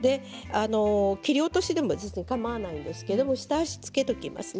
切り落としでも全然かまわないですけれど下味を付けておきますね。